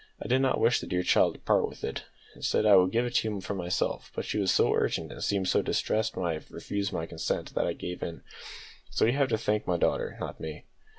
I did not wish the dear child to part with it, and said I would give it to you from myself; but she was so urgent, and seemed so distressed when I refused my consent, that I gave in; so you have to thank my daughter, not me."